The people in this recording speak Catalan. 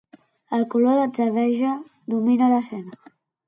El color d'atzabeja domina l'escena.